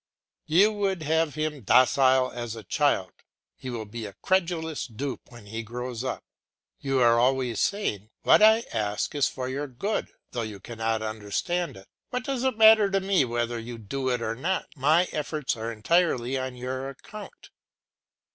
You would have him docile as a child; he will be a credulous dupe when he grows up. You are always saying, "What I ask is for your good, though you cannot understand it. What does it matter to me whether you do it or not; my efforts are entirely on your account."